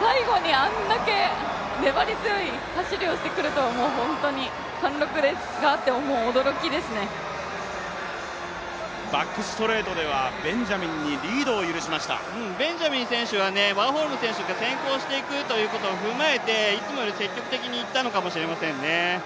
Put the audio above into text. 最後にあれだけ粘り強い走りをしてくると、もう貫禄です、バックストレートではベンジャミンにベンジャミン選手はワーホルム選手が先行していくことを踏まえていつもより積極的にいったのかもしれませんね。